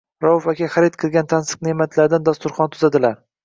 Rauf aka xarid qilgan tansiq ne’matlardan dasturxon tuzadilar.